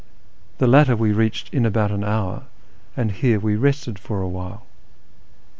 The latter we reached in about an hour, and here we rested for a while.